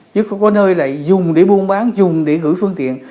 chứ không có nơi là dùng để buôn bán dùng để gửi phương tiện